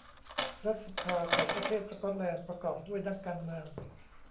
รัฐสภาของประเทศสก๊อตแลนด์ประกอบด้วยนักการเมือง